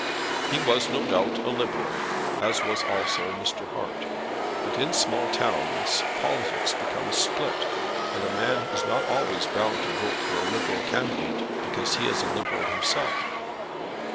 He was no doubt a liberal as was also Mr. Hart; but in small towns politics become split, and a man is not always bound to vote for a liberal candidate because he is a liberal himself.